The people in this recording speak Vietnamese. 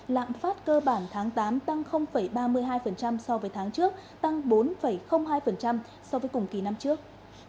lạm phát cơ bản tháng tám tăng ba mươi hai so với tháng trước tăng bốn hai so với cùng kỳ năm trước